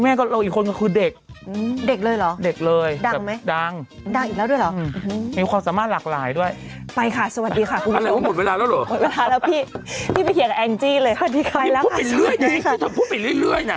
มันกลับให้ทุกวันแสดงจากเมื่อกี้